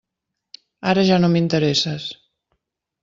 Ara ja no m'interesses.